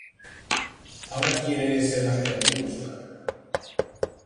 Ahora quiere "ser más creativo en su carrera".